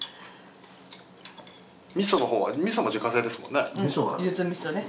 味噌のほうは味噌も自家製ですもんね。